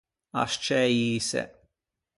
Ascciæîse.